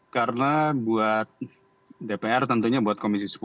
karena buat dpr tentunya buat komisi sepuluh